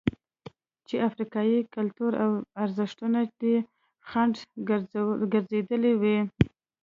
چې افریقايي کلتور او ارزښتونه دې خنډ ګرځېدلي وي.